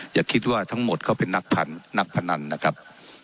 อย่าคิดว่าทั้งหมดเขาเป็นนักพนันนะครับ